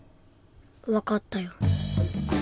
わかったよ